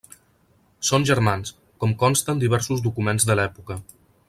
Són germans, com consta en diversos documents de l'època.